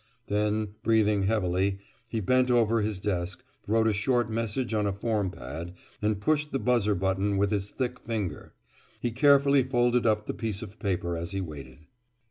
Then, breathing heavily, he bent over his desk, wrote a short message on a form pad and pushed the buzzer button with his thick finger. He carefully folded up the piece of paper as he waited.